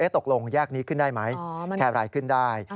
ตกลงแยกนี้ขึ้นได้ไหมแคร์ไรขึ้นได้